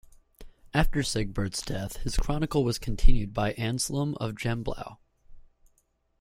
After Sigebert's death his chronicle was continued by Anselm of Gembloux.